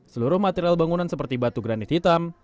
seluruh material bangunan seperti batu granit hitam